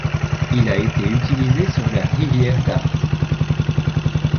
Il a été utilisé sur la rivière Dart.